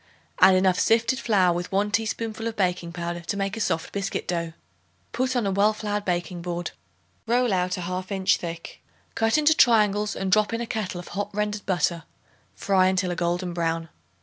Add enough sifted flour with 1 teaspoonful of baking powder to make a soft biscuit dough. Put on a well floured baking board. Roll out a half inch thick. Cut into triangles and drop in a kettle of hot rendered butter; fry until a golden brown.